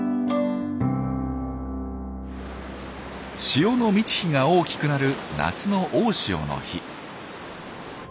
潮の満ち干が大きくなる夏の大潮の日。